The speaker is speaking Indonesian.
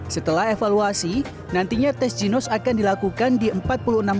setelah evaluasi nantinya tes ginos akan dilakukan di empat puluh enam